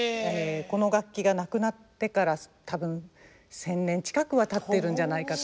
この楽器がなくなってから多分１，０００年近くはたってるんじゃないかと。